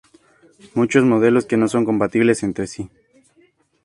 Muchos modelos que no son compatibles entre sí.